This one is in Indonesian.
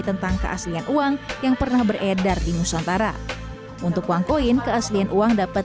tentang keaslian uang yang pernah beredar di nusantara untuk uang koin keaslian uang dapat